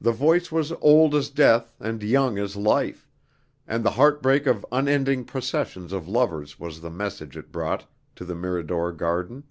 The voice was old as death and young as life, and the heartbreak of unending processions of lovers was the message it brought to the Mirador garden.